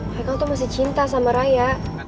mereka tuh masih cinta sama raya